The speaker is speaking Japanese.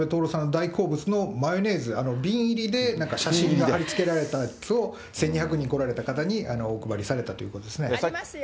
大好物のマヨネーズ、瓶入りで、なんか写真が貼り付けられたやつを１２００人、来られた方にお配りされたということですね。